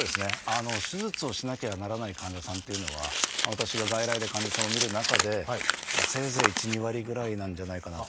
手術をしなきゃならない患者さんっていうのは私が外来で患者さんを診る中でせいぜい１２割ぐらいなんじゃないかなと。